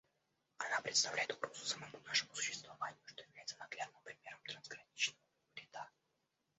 Она представляет угрозу самому нашему существованию, что является наглядным примером трансграничного вреда.